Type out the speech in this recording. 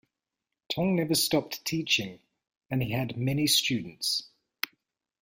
Tong never stopped teaching, and he had many students.